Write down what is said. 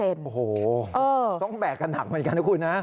โอ้โหต้องแบกกันหนักเหมือนกันนะคุณนะ